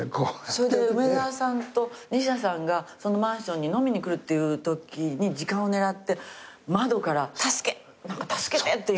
それで梅沢さんと西田さんがそのマンションに飲みに来るっていうときに時間を狙って窓から「助けて」って。